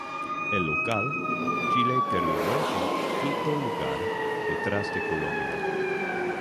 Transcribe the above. El local, Chile terminó en quinto lugar, detrás de Colombia.